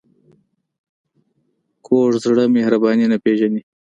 کوږ زړه مهرباني نه پېژني